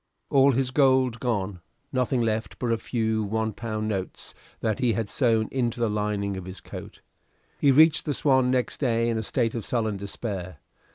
All his gold gone, nothing left but a few one pound notes that he had sewed into the lining of his coat. He reached the "Swan" next day in a state of sullen despair.